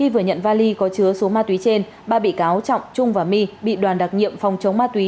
vừa nhận vali có chứa số ma túy trên ba bị cáo trọng trung và my bị đoàn đặc nhiệm phòng chống ma túy